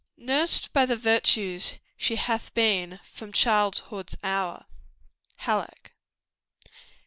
"Nursed by the virtues she hath been From childhood's hour." HALLECK.